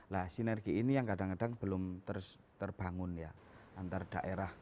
nah sinergi ini yang kadang kadang belum terbangun ya antar daerah